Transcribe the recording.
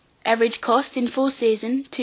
Average cost, in full season, 2s.